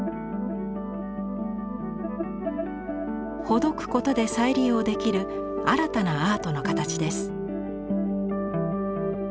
ほどくことで再利用できる新たなアートの形です。